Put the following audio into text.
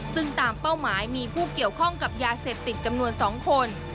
ซึ่งตามเป้าหมายมีผู้เกี่ยวข้องกับยาเสพติดจำนวน๒คน